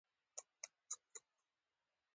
د میوو موسمونه د طبیعت ښکلا ده.